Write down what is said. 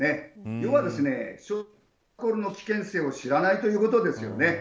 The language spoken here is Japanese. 要は危険性を知らないということですよね。